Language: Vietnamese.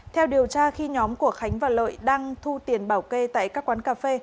theo điều tra khi nhóm của khánh và lợi đang thu tiền bảo kê tại các quán cà phê